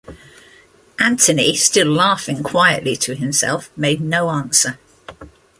Anthony, still laughing quietly to himself, made no answer.